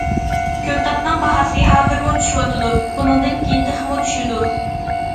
كۆكتاتنىڭ باھاسى ھازىرمۇ چۈشۈۋاتىدۇ، بۇنىڭدىن كېيىن تېخىمۇ چۈشىدۇ.